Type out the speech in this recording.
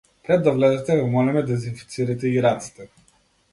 „Пред да влезете ве молиме дезинфицирајте ги рацете“